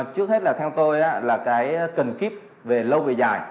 trước hết là theo tôi là cái cần kíp về lâu về dài